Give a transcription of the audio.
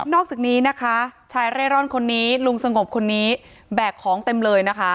อกจากนี้นะคะชายเร่ร่อนคนนี้ลุงสงบคนนี้แบกของเต็มเลยนะคะ